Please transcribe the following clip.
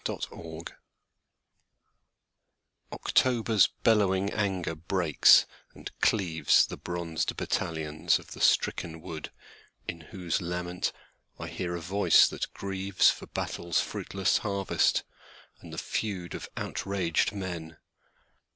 Autumn OCTOBER'S bellowing anger breaks and cleavesThe bronzed battalions of the stricken woodIn whose lament I hear a voice that grievesFor battle's fruitless harvest, and the feudOf outraged men.